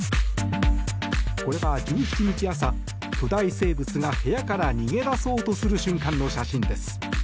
これは１７日朝、巨大生物が部屋から逃げ出そうとする瞬間の写真です。